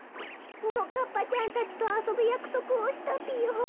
ももかっぱちゃんたちとあそぶやくそくをしたぴよ。